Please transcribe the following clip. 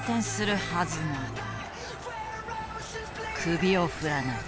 首を振らない。